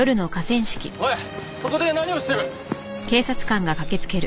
おいそこで何をしてる？